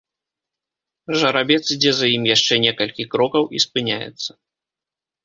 Жарабец ідзе за ім яшчэ некалькі крокаў і спыняецца.